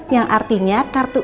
yang artinya kartu b